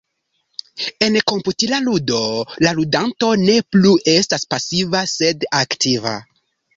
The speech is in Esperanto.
En komputila ludo, la ludanto ne plu estas pasiva sed aktiva.